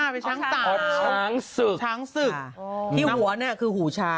ที่หัวเนี่ยคือหูช้าง